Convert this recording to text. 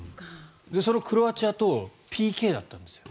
そのクロアチアとＰＫだったんですよ。